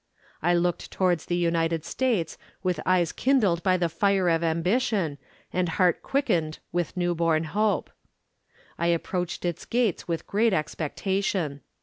I looked towards the United States with eyes kindled by the fire of ambition and heart quickened with new born hope. I approached its gates with great expectation.